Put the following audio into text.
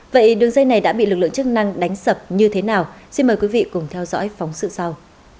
vậy đường dây này đã bị lực lượng chức năng đánh sập như thế nào xin mời quý vị cùng theo dõi phóng sự sau